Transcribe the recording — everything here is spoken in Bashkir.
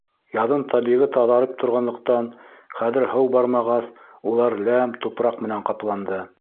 Яҙын тәбиғи таҙарып торғанлыҡтан, хәҙер һыу бармағас, улар ләм, тупраҡ менән ҡапланды.